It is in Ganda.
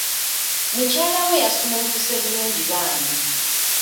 Mukyala we yasumulukuse bulungi bambi